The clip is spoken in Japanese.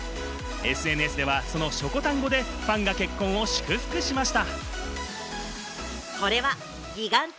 ＳＮＳではその「しょこたん語」でファンが結婚を祝福しました。